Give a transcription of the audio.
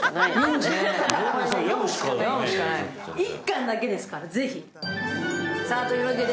１巻だけですから、ぜひ。